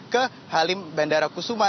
ke halim bandara kusuma